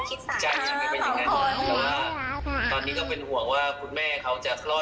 คือต้องรอคนที่สองก่อนแล้วรู้สภาพปุ๊กก้อยตอนนั้นว่าจะไหวไหม